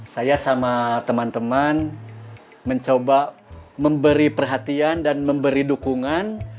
saya sama teman teman mencoba memberi perhatian dan memberi dukungan